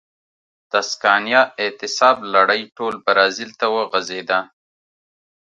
د سکانیا اعتصاب لړۍ ټول برازیل ته وغځېده.